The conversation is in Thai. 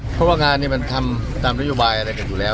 เพราะงานนี้ทำตามนโยบายอะไรอยู่แล้ว